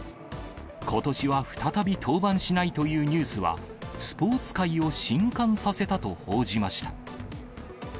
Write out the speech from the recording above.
ことしは再び登板しないというニュースは、スポーツ界をしんかんさせたと報じました。